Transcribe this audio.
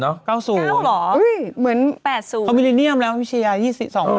เขามิลลิเนียมแล้วพี่เชียร์๒๒หมดแล้ว